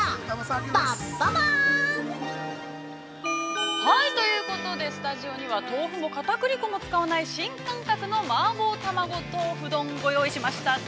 ◆ということでスタジオには、豆腐もかたくり粉も使わない新感覚の麻婆たまご豆腐丼ご用意しました。